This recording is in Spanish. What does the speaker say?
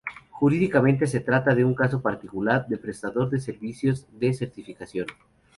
Jurídicamente, se trata de un caso particular de Prestador de Servicios de Certificación.